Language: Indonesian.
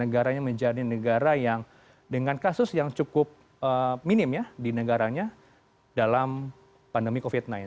negaranya menjadi negara yang dengan kasus yang cukup minim ya di negaranya dalam pandemi covid sembilan belas